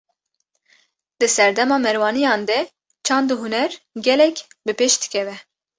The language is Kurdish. Di serdema Merwaniyan de çand û huner, gelek bi pêş dikeve